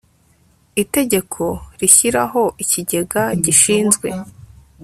itegeko rishyiraho ikigega gishinzwe